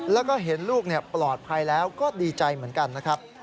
แล้วก็เห็นลูกปลอดภัยแล้วก็ดีใจเหมือนกันนะครับ